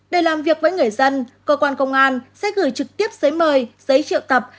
để làm việc với người dân cơ quan công an sẽ gửi trực tiếp giấy mời giấy triệu tập